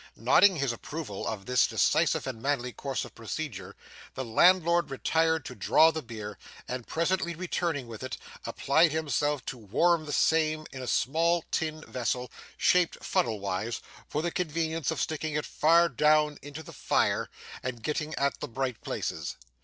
Nodding his approval of this decisive and manly course of procedure, the landlord retired to draw the beer, and presently returning with it, applied himself to warm the same in a small tin vessel shaped funnel wise, for the convenience of sticking it far down in the fire and getting at the bright places.